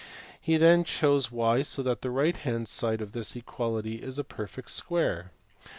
He then chose y so that the right hand side of this equality is a perfect square.